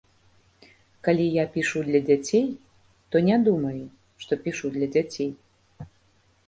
Калі я пішу для дзяцей, то не думаю, што пішу для дзяцей.